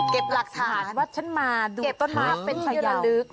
เก็บหลักฐานว่าฉันมาดูต้นมาเป็นพยาว